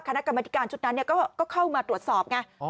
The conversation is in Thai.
คณะกรรมธิการชุดนั้นก็เข้ามาตรวจสอบไง